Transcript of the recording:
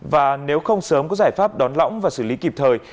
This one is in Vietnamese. và nếu không sớm có giải pháp đón lõng và xử lý kịp thời